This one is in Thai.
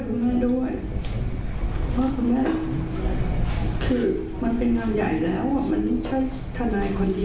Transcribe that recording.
เพราะว่าคุณแม่จะมาทำงานให้น้องจริง